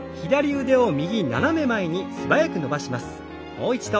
もう一度。